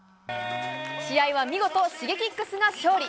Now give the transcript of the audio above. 試合は見事、シゲキックスが勝利。